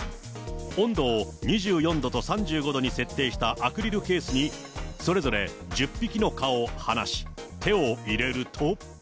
温度を２４度と３５度に設定したアクリルケースに、それぞれ１０匹の蚊を放し、手を入れると。